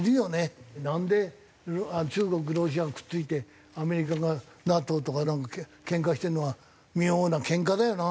なんで中国ロシアがくっついてアメリカがＮＡＴＯとかなんかけんかしてるのは妙なけんかだよな。